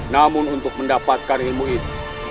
namun untuk mendapatkan ilmu itu